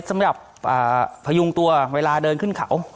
สำหรับพยุงตัวเวลาเดินขึ้นเขา